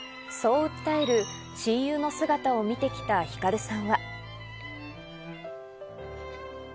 そう訴える親友の姿を見てきたひかるさんは。